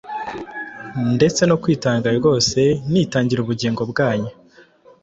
ndetse no kwitanga rwose, nitangira ubugingo bwanyu